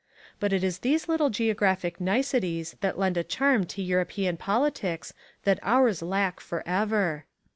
But it is these little geographic niceties that lend a charm to European politics that ours lack forever.